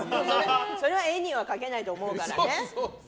それは絵には描けないと思うからね。